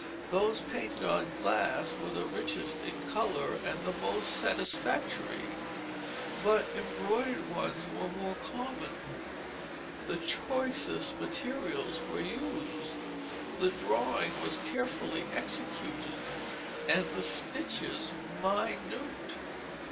Those painted on glass were the richest in color and the most satisfactory, but embroidered ones were more common. The choicest materials were used, the drawing was carefully executed, and the stitches minute.